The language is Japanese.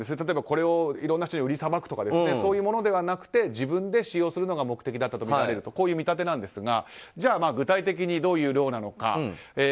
例えばこれをいろんな人に売りさばくとかそういうものではなくて自分で使用するのが目的だったとみられるという見立てですが具体的にどういう量なのか。